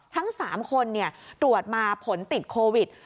ทั้ง๓คนตรวจมาผลติดโควิด